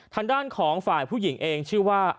ทางด้านของฝ่ายผู้หญิงเองชื่อว่า